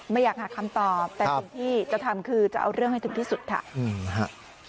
ไม่อยากหาคำตอบแต่สิ่งที่จะทำคือจะเอาเรื่องให้ถึงที่สุดค่ะ